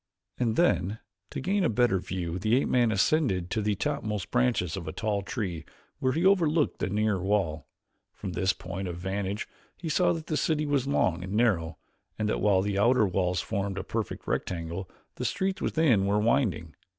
And then, to gain a better view, the ape man ascended to the topmost branches of a tall tree where he overlooked the nearer wall. From this point of vantage he saw that the city was long and narrow, and that while the outer walls formed a perfect rectangle, the streets within were winding.